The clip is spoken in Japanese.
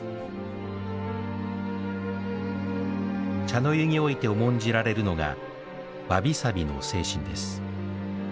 茶の湯において重んじられるのがわびさびの精神です。